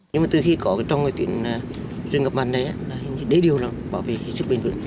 nhưng mà từ khi có cái trồng rừng ngập mặn này hình như đế điều lắm bảo vệ sức bình thường